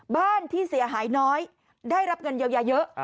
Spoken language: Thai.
บ้านที่เสียหายน้อยได้รับเงินเยียวยาเยอะ